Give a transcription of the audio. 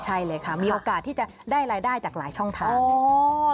ใช่เลยค่ะมีโอกาสที่จะได้รายได้จากหลายช่องทาง